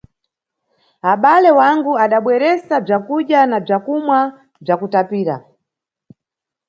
Abale wangu adabweresa bzakudya na bzakumwa bwa kutapira.